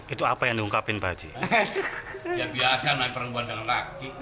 itu apa yang diungkapin baju biasa